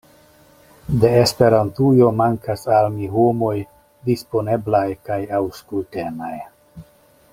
De Esperantujo, mankas al mi homoj disponeblaj kaj aŭskultemaj.